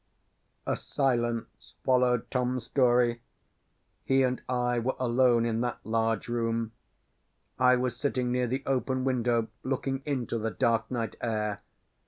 A silence followed Tom's story. He and I were alone in that large room; I was sitting near the open window, looking into the dark night air.